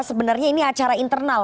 sebenarnya ini acara internal